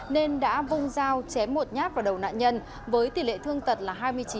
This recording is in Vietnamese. nên đã vông giao chém một nhát vào đầu nạn nhân với tỷ lệ thương tật là hai mươi chín